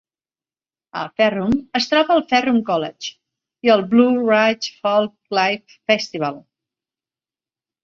A Ferrum es troba el Ferrum College i el Blue Ridge Folklife Festival.